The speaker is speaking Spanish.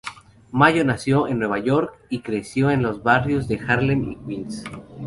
Mayo nació en Nueva York, y creció en los barrios de Harlem y Queens.